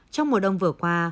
trong mùa đông vừa qua